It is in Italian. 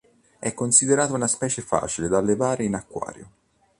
È considerata una specie facile da allevare in acquario.